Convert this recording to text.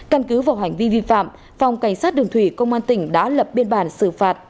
căn cứ vào hành vi vi phạm phòng cảnh sát đường thủy công an tỉnh đã lập biên bản xử phạt